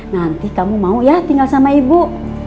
nanti kamu mau ya tinggal sama ibu